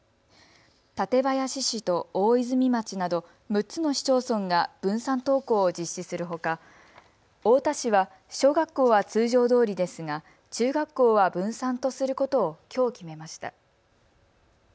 館林市と大泉町など６つの市町村が分散登校を実施するほか太田市は小学校は通常どおりですが中学校は分散とすることをきょう決めました。